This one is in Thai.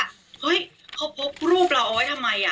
เขาพบรูปเราเอาไว้ทำไมอ่ะ